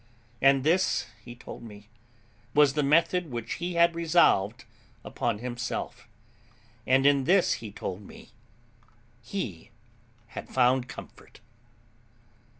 And this, he told me, was the method which he had resolved upon himself; and in this, he told me, he had found comfort.